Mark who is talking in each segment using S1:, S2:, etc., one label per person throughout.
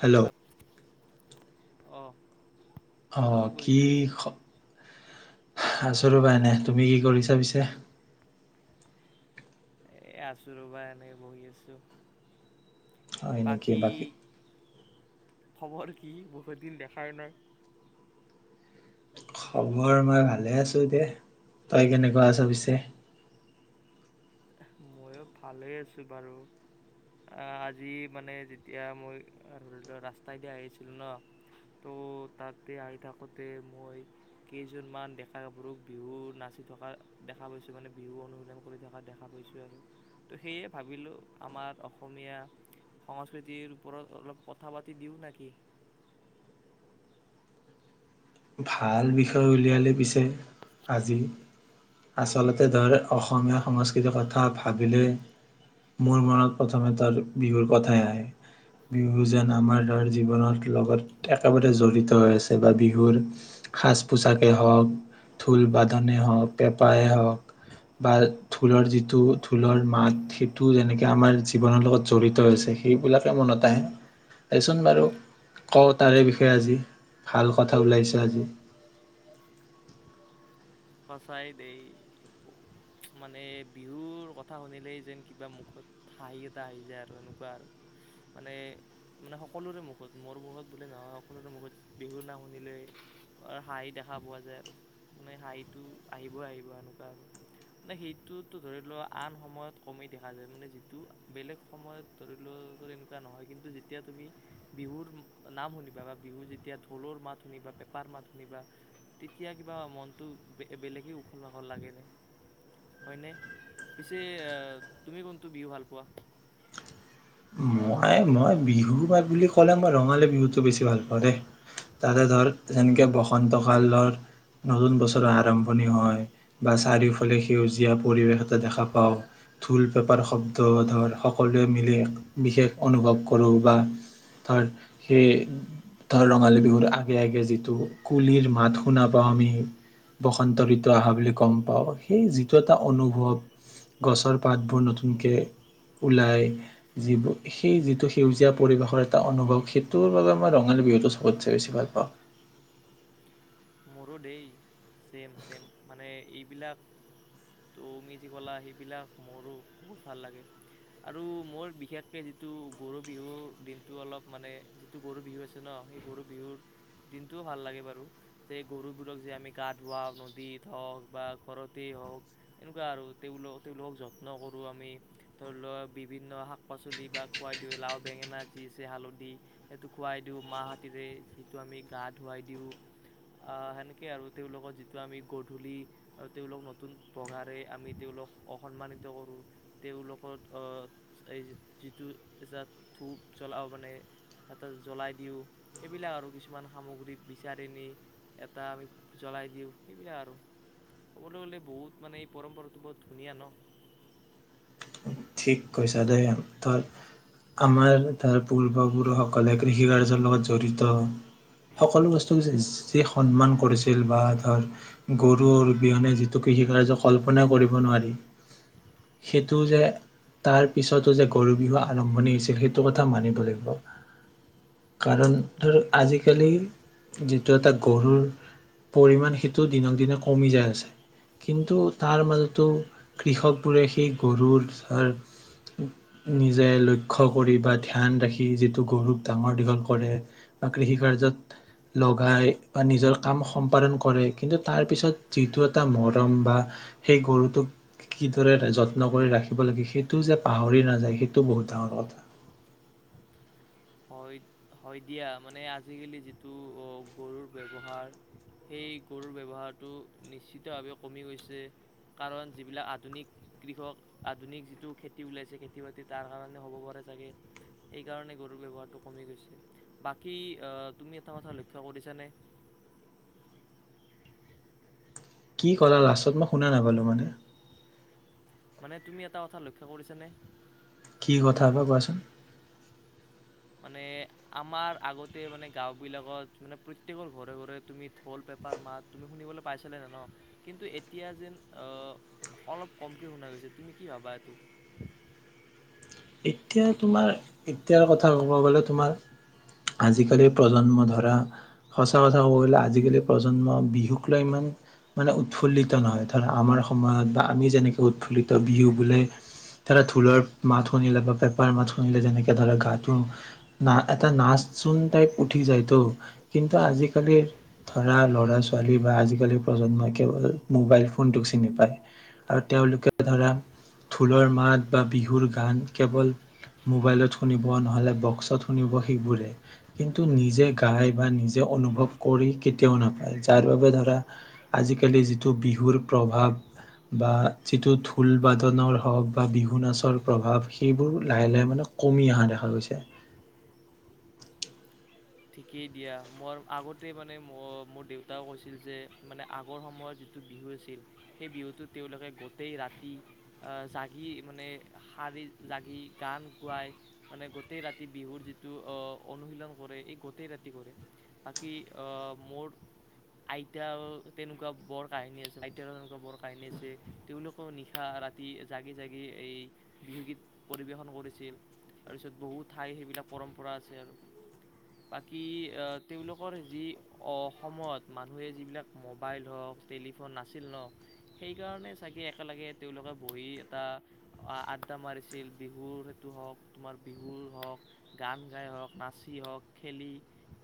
S1: Hello
S2: আহ
S1: অঁ কি খ আছো ৰবা এনে তুমি কি কৰিছা পিছে
S2: এ আছোঁ ৰবা এনেই বহি আছো
S1: হয় এনেকি বাকী
S2: খবৰ কি বহুত দিন দেখাই নাই
S1: খবৰ মই ভালে আছো দে তই কেনেকুৱা আছ পিছে
S2: ময়ো ভালে আছো বাৰু আজি মানে যেতিয়া মই ধৰি লোৱা ৰাস্তাইদি আহিছিলো ন ত' তাতে আহি থাকোঁতে মই কেইজনমান ডেকা গাভৰুক বিহু নাচি থকা দেখা পাইছো মানে বিহু অনুশীলন কৰি থকা দেখা ছোঁ আৰু ত' সেয়ে ভাবিলোঁ আমাৰ অসমীয়া সংস্কৃতিৰ ওপৰত অলপ কথা পাতি দিওঁ নে কি
S1: ভাল বিষয় উলিয়ালে পিছে আজি আচলতে ধৰ অসমীয়া সংস্কৃতিৰ কথা ভাবিলে মোৰ মনত প্ৰথমে ধৰ বিহুৰ কথাই আহে বিহু যেন আমাৰ ধৰ জীৱনৰত লগত একেবাৰে জড়িত হৈ আছে বা বিহুৰ সাজ পোচাকেই হওঁক ঢোল বাদনে হওঁক পেপাই হওঁক বা ঢোলৰ যিটো ঢোলৰ মাত সেইটো যেনেকে আমাৰ জীৱনৰ লগত জড়িত আছে সেইবিলাকে মনত আহে তচোন বাৰু কওঁ তাৰে বিষয়ে আজি ভাল কথা ওলাইছে ৰাজজু
S2: সঁচাই দেই মানে বিহুৰ কথা শুনিলেই যেন কিবা মুখত হাঁহি এটা আহি যায় আৰু এনেকুৱা আৰু মানে মানে সকলোৰে মুখত মোৰ মুখত বুলি নহয় সকলোৰে মুখত বিহুৰ নাম শুনিলে হাঁহি দেখা পোৱা যায় আৰু মানে হাঁহ সটো আহিবই আহিব এনেকুৱা আৰু মানে সেইটোতো ধৰি লোৱা আন সময়ত কমেই দেখা যায় মানে যিটো বেলেগ সময়ত ধৰি লোৱা এনেকুৱা নহয় কিন্তু যেতিয়া তুমি বিহুৰ নাম শুনিবা বা বিহু যেতিয়া ঢোলৰ মাত শুনিবা পেঁপাৰ মাত শুনিবা তেতিয়া কিবা মনটো বেলেগে উখল মাখল লাগে ন হয়নে পিছে তুমি কোনটো বিহু ভাল পোৱা
S1: মই মই বিহু বুলি ক'লে মই ৰঙালী বিহুতটো বেছি ভাল পাওঁ দেই তাতে ধৰ যেনেকে বসন্ত কালৰ নতুন বছৰৰ আৰম্ভণি হয় বা চাৰিওফালে সেউজীয়া পৰিৱেশ এটা দেখা পাওঁ ঢোল পেপাৰ শব্দ ধৰ সকলোৱে মিলি বিশেষ অনুভৱ কৰোঁ বা ধৰ সেই ধৰ ৰঙালী বিহুৰ আগে আগে যিটো কুলিৰ মাত শুনা পাওঁ আমি বসন্ত ঋতু অা বুলি গম পাওঁ সেই যিটো এটা অনুভৱ গছৰ পাতবোৰ নতুনকৈ ওলাই যিবোৰ সেই যিটো সেউজীয়া পৰিৱেশৰ এটা অনুভৱ সেইটোৰ বাবে মই ৰঙালী বিহুটো চবতে বেছি ভাল পাওঁ
S2: মৰু দেই চেম চেম মানে এইবিলাক তটৌ মিজি কলা সেইবিলাক মোৰো বহুত ভাল লাগে আৰু মোৰ বিশেষকৈ যিটো গৰু বিহুৰ দিনটো অলপ মানে যিটো গৰু বিহু আছে ন সেই গৰু বিহুৰ দিনটোও ভাল লাগে বাৰু যে গৰুবোৰক যে আমি গা ধুৱাওঁ নদীত হওক বা ঘৰতেই হওক এনেকুৱা আৰু তেওঁল তেওঁলোকক যত্ন কৰোঁ আমি ধৰি লক বিভিন্ন শাক পাচলি বা খুৱাই দিওঁ লাও বেঙেনা যি আছে হালধি সেইটো খুৱাই দিওঁ মাহ হাতেৰে যিটো আমি গা ধুৱাই দিওঁ সেনেকৈ আৰু তেওঁলোকৰ যিটো আমি গধূলি আৰু তেওঁলোক নতুন বগাৰে আমি তেওঁলোক অসন্মানিত কৰোঁ তেওঁলোকৰ এই যিটো এাত ধূপ জ্বলাওঁ মানে এটা জ্বলাই দিওঁ সেইবিলাক আৰু কিছুমান সামগ্ৰী বিচাৰি নি এটা আমি জ্বলাই দিওঁ সেইবিলাক আৰু ক'বলৈ গ'লে বহুত মানে এই পৰম্পৰাটো বহুত ধুনীয়া ন
S1: ঠিক কৈছা দেই ধৰ আমাৰ ধৰ পূৰ্বপুৰুষসকলে কৃষি কাৰ্যৰ লগত জড়িত সকলো বস্তু যি সন্মান কৰিছিল বা ধৰ গৰুৰ বিহনে যিটো কৃষি কাৰ্য কল্পনা কৰিব নোৱাৰি সেইটো যে তাৰ পিছতো যে গৰু বিহু আৰম্ভণি হৈছিল সেইটো কথা মানিব লাগিব কাৰণ ধৰ আজিকালি যিটো এটা গৰুৰ পৰিমণ সেইটো দিনক দিনে কমি যায় আছে কিন্তু তাৰ মাজতো কৃষক বোৰে সেই গৰুৰ নিজে লক্ষ্ কৰি বা ধ্যান ৰাখি যিটো গৰুক ডাঙৰ দীঘল কৰে বা কৃষি কাৰ্যত লগাই বা নিজৰ কাম সম্পাদন কৰে কিন্তু তাৰ পিছত যিটো এটা মৰম বা সেই গৰুটোক কিদৰে যত্ন কৰি ৰাখি ল সেইটো যে পাহৰি নাযায় সেইটো বহুত ডাঙৰ কথা
S2: হয় হয় দিয়া মানে আজিকালি যিটো গৰুৰ ব্যৱহাৰ সেই গৰুৰ ব্যৱহাৰটো নিশ্চিতভাৱে কমি গৈছে কাৰণ যিবিলাক আধুনিক কৃষক আধুনিক যিটো খেতি ওলাইছে খেতি বাতি তাৰ কাৰণে হ'ব পাৰে চাগে সেইকাৰণে গৰু বী তুমি এটা কথা লক্ষ কৰিছানে
S1: কি ক'লা লাষ্টত মই শুনা নাপালো মানে
S2: মানে তুমি এটা কথা লক্ষ্য কৰিছ নে
S1: কি কথা বা কোৱাচোন
S2: মানে আমাৰ আগতে মানে গাওবিলাকত মানে প্ৰত্যয়েকৰ ঘৰে ঘৰে তুমি থল পেপাৰ মাত তুমি শুনিবলৈ পাইছিলা নে ন কিন্তু এতিয়া যেন আহ অলপ কমকে শুনা গৈছে তুমি কি ভাবা এইটো
S1: এতিয়া তোমাৰ এতিয়াৰ কথা ক'ব গ'লে তোমাৰ আজিকালি প্ৰজন্ম ধৰা সঁচা কথা কব গলে আজিকালি প্ৰজন্ম বিহুক লৈ ইমান মানে উৎফুল্লিত নহয় ধৰা আমাৰ সময়ত বা আমি যেনেকে উৎফুল্লিত বিহু বোলে ধৰা ঢোলৰ মাত শুনিলে বা পেপাৰ মাত শুনিলে যেনেকে ধৰা গাটো না এটা নাচ চোন টাইপ উঠি যায়তো কিন্তু আজিকালিৰ ধৰা লৰা ছোৱালী বা আজিকালি প্ৰজন্মই কেৱল মোবাইল ফোনটোক চিনি পায় আৰু তেওঁলোকে ধৰা ঢোলৰ মাত বা বিহুৰ গান কেৱল মোবাইলত শুনিব নহলে বক্সত শুনিব সেইবোৰে কিন্তু নিজে গাই বা নিজে অনুভৱ কৰি কেতিয়াও নাপায় যাৰ বাবে ধৰা আজিকালি যিটো বিহুৰ প্ৰভাৱ বা যিটো ঢোল বাদনৰ হওক বা বিহু নাচৰ প্ৰভাৱ সবোৰ লাহে লাহে মানে কমি অহা দেখা গৈছে
S2: ঠিকেই দিয়া মোৰ আগতে মানে ম মোৰ দেউতাও কৈছিল যে মানে আগৰ সময়ত যিটো বিহু আছিল সেই বিহুটোত তেওঁলোকে গোটেই ৰাতি জাগি মানে শাৰী জাগি গান গোৱাই মানে গোটেই ৰাতি বিহুৰ যিটো অনুশীলন কৰে গোটেই ৰাতি কৰে বাকী মোৰ আইতা তেনেকুৱা বৰ কাহিনী আছে আইতাৰ তেনেকুৱা বৰ কাহিনী আছে তেওঁলোকেও নিশা ৰাতি জাগি জাগি এই বিহুগীত পৰিৱেশন কৰিছিল তাৰপিছত বহু ঠাই সেইবিলাক পৰম্পৰা আছে আৰু বাকী তেওঁলোকৰ যি অসমত মানুহে যিবিলাক মোবাইল হওক টেলিফোন নাছিল ন সেইকাৰণে চাগে একেলগে তেওঁলোকে বহি এটা আড্ডা মাৰিছিল বিহুৰ সেইটো হওক তোমাৰ বিহুৰ হওক গান গাই হওক নাচি হওক খেলি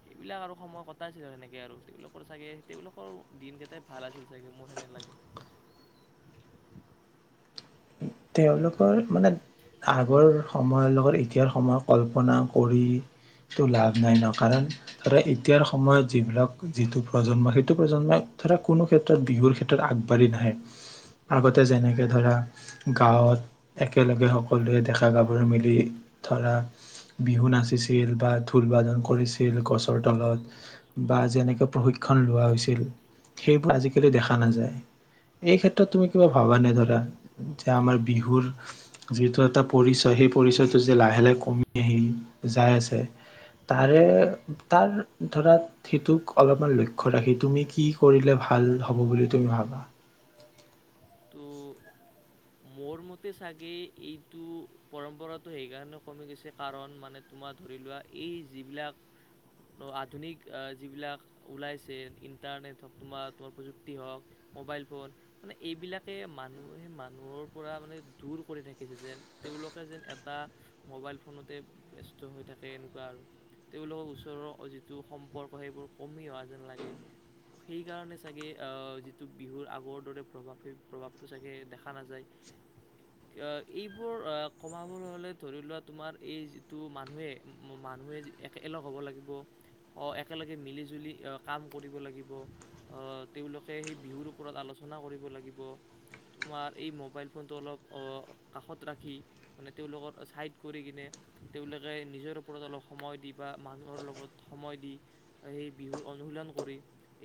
S2: সেইবিলাক আৰু সময় কটাইছিল আৰু সেনেকে আৰু তেওঁলোকৰ চাগে তেওঁলোকৰ দিনকেইটাই ভাল আছিল চাগে মোৰ সেনে লাগে
S1: তেওঁলোকৰ মানে আগৰ সময়ৰ লগত এতিয়াৰ সময়ত কল্পনা কৰিতো লাভ নাই ন কাৰণ ধৰা এতিয়াৰ সময়ত যিবিলাক যিটো প্ৰজন্ম সেইটো প্ৰজন্মই ধৰা কোনো ক্ষেত্ৰত বিহুৰ ক্ষেত্ৰত আগবাঢ়ি নাহে আগতে যেনেকে ধৰা গাঁৱত একেলগে সকলোৱে ডেকা গাভৰু মিলি ধৰা বিহু নাচিছিল বা ঢোল বাজন কৰিছিল গছৰ তলত বা যেনেকে প্ৰশিক্ষণ লোৱা হৈছিল সেইবোৰ আজিকালি দেখা নাযায় এই ক্ষেত্ৰত তুমি কিবা ভবা নে ধৰা যে আমাৰ বিহুৰ যিটো এটা পৰিচয় সেই পৰিচয়টো যে লাহে লাহে কমি আহি যাই আছে তাৰে তাৰ ধৰা সেইটোক অলপমান লক্ষ্য ৰাখি তুমি কি কৰিলে ভাল হ'ব বুলি তুমি ভাবা?
S2: তো মোৰ মতে চাগে এইটো পৰম্পৰাটো সেইকাৰণে কমি গৈছে কাৰণ মানে তোমাৰ ধৰি লোৱা এই যিবিলাক আধুনিক যিবিলাক ওলাইছে ইণ্টাৰনেট হওক তোমাৰ-তোমাৰ প্ৰযুক্তি হওক মোবাইল ফোন মানে এইবিলাকে মানুহে-মানুহৰ পৰা মানে দূৰ কৰি থাকিছে যেন তেওঁলোকে যেন এটা মোবাইল ফোনতে ব্যস্ত হৈ থাকে এনেকুৱা আৰু তেওঁলোকৰ ওচৰৰ যিটো সম্পৰ্ক সেইবোৰ কমি অহা যেন লাগে সেইকাৰণে চাগে যিটো বিহুৰ আগৰ দৰে প্ৰভাৱ সেই প্ৰভাৱটো চাগে দেখা নাযায়। এইবোৰ কমাব হ'লে ধৰি লোৱা তোমাৰ এই যিটো মানুহে মানুহে একেলগ হ'ব লাগিব একেলগে মিলি-জুলি কাম কৰিব লাগিব তেওঁলোকে সেই বিহুৰ ওপৰত আলোচনা কৰিব লাগিব তোমাৰ এই মোবাইল। ফোনটো অলপ কাষত ৰাখি মানে তেওঁলোকৰ ছাইড কৰি কিনে তেওঁলোকে নিজৰ ওপৰত অলপ সময় দি বা মানুহৰ লগত সময় দি সেই বিহুৰ অনুশীলন কৰি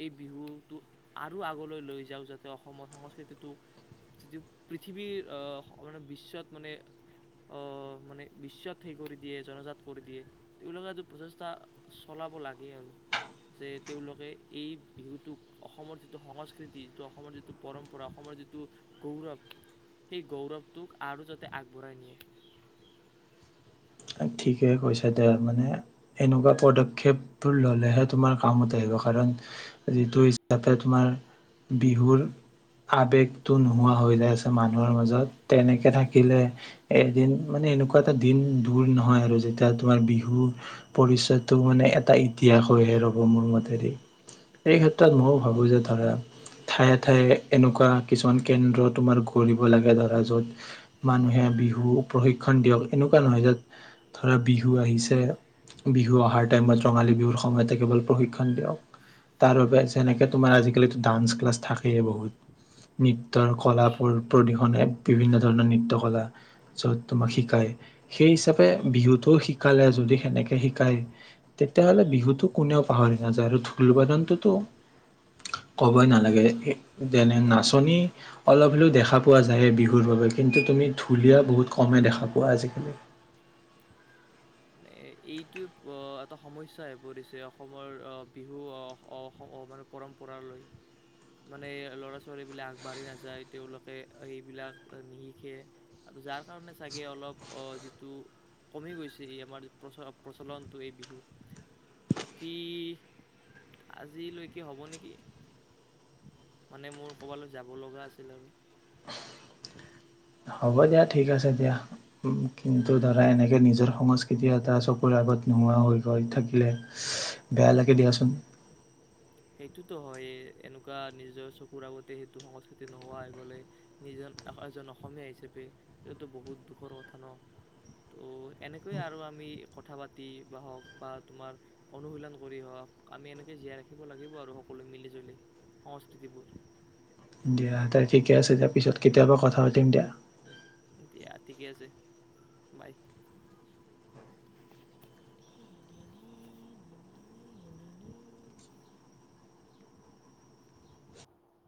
S2: এই বিহুটো আৰু আগলৈ লৈ যাওঁ যাতে অসমৰ সংস্কৃতিটোক যিটো পৃথিৱীৰ মানে বিশ্বত মানে-মানে বিশ্বত সেই কৰি দিয়ে জনজাত কৰি দিয়ে তেওঁলোকে প্ৰচেষ্টা চলাব লাগে আৰু যে তেওঁলোকে এই বিহুটোক অসমৰ যিটো সংস্কৃতি যিটো অসমৰ যিটো পৰম্পৰা অসমৰ যিটো গৌৰৱ সেই গৌৰৱটোক আৰু যাতে আগবঢ়াই নিয়ে।
S1: ঠিকে কৈছে দে মানে এনেকুৱা পদক্ষেপবোৰ ললেহে তোমাৰ কামত আহিব কাৰণ যিটো হিচাপে তোমাৰ বিহুৰ আবেগটো নোহোৱা হৈ যাই আছে মানুহৰ মাজত তেনেকে থাকিলে এদিন মানে এনেকুৱা এটা দিন বোৰ নহয় আৰু যেতিয়া তোমাৰ বিহুৰ পৰিচয়টো মানে এটা ইতিহাস হৈহে ৰব মোৰ মতেদি এই কেত্ৰত মইও ভাবো যে ধৰা ঠায়ে ঠায়ে এনেকুৱা কিছুমান কেন্দ্ৰ তোমাৰ কৰিব লাগে ধৰা য'ত মানুহে বিহু প্ৰশিক্ষণ দিয়ক এনেকুৱা নহয় য'ত ধৰা বিহু আহিছে বিহু অহাৰ টাইমত ৰঙালী বিহুৰ সময়তে কেৱল প্ৰশিক্ষণ দিয়ক তাৰ বাবে যেনেকে তোমাৰ আজিকালি ডান্স ক্লাছ থাকেই বহুত নৃত্যয়ৰ কলাৰ প্ৰদূষনে বিভিন্ন ধৰণৰ নৃত্য কলা যত তোমাক শিকায় সেই হিচাপে পে বিহুটো শিকালে যদি সেনেকে শিকায় তেতিয়াাহ'লে বিহুটো কোনেও পাহৰি নাযায়, আৰু ঢোল বাদনটোতো কবই নালাগে যেনে নাচনী অলপ হলেও দেখা পোৱা যায় বিহুৰ বাবে কিন্তু তুমি ঢুলীয়া বহুত কমে দেখা পোৱা আজিকালি।
S2: মানে এইটোৱে এটা সমস্যা হৈ পৰিছে অসমৰ বিহু মানে পৰম্পৰালৈ মানে ল'ৰা ছোৱালীবিলাক আগবাঢ়ি নাযায়। তেওঁলোকে এইবিলাক নিহিকে আৰু যাৰ কাৰণে চাগে অলপ যিটো কমি গৈছে। আমাৰ প্ৰচ প্ৰচলনটো এই বিহুৰ বাকী আজিলৈকে হ'ব নেকি। মানে মোৰ ক'ৰবালৈ যাব লগা আছিল আৰু
S1: হ'ব দিয়া ঠিক আছে দিয়া কিন্তু ধৰা এনেকে নিজৰ সংস্কৃতি এটা চকুৰ আগত নোহোৱা হৈ গৈ থাকিলে বেয়া লাগে দিয়াচোন,
S2: সেইটোতো হয় এনেকুৱা নিজৰ চকুৰ আগতে সেইটো সংস্কৃতি নোহোৱা হৈ গ'লে নিজন এজন অসমীয়া হিচাপে এইটোতো বহুত দুখৰ কথা ন ত এনেকৈয়ে আৰু আমি কথা পাতি বা হওক বা তোমাৰ অনুশীলন কৰি হওক আমি এনেকৈ জীয়াই ৰাখি শ থিকিব লাগিব আৰু সকলোৱে মিলি জুলি সংস্কৃতিবোৰ।
S1: দিয়া তাই ঠিকে আছে দিয়া পিছত কেতিয়াবা কথা পাতিম দিয়া।
S2: দিয়া ঠিকে আছে বাই,